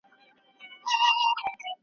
ډوپامین د تمرکز او الهام لپاره مهم دی.